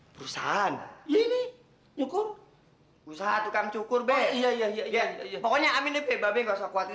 perusahaan ini nyokong usaha tukang cukur be iya iya iya pokoknya amin bapak nggak usah khawatir